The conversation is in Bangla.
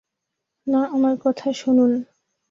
না, আমার কথা শুনুন।